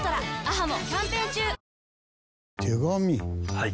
はい。